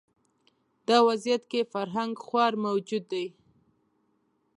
دا وضعیت کې فرهنګ خوار موجود دی